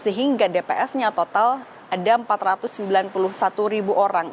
sehingga dps nya total ada empat ratus sembilan puluh satu ribu orang